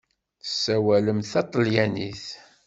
Tessawalem taṭalyanit?